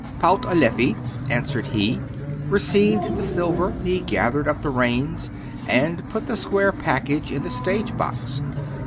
"Pout a leffy," answered he. Receiving the silver, he gathered up the reins, and put the square package in the stage box.